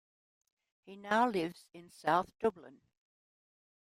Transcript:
He now lives in south Dublin.